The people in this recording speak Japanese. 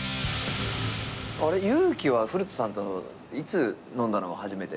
友貴は古田さんといつ飲んだのが初めてになるの？